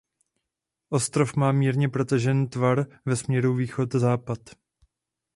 Ostrov má mírně protažený tvar ve směru východ západ.